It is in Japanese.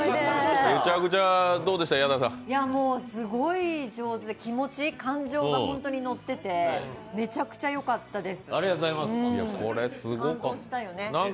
もうすごい上手で、気持ち、感情が本当にのっていて、めちゃくちゃよかったです。